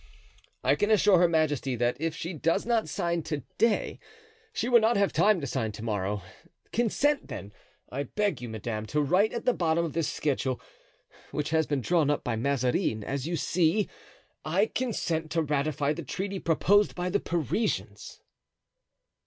"I can assure her majesty that if she does not sign to day she will not have time to sign to morrow. Consent, then, I beg you, madame, to write at the bottom of this schedule, which has been drawn up by Mazarin, as you see: "'I consent to ratify the treaty proposed by the Parisians.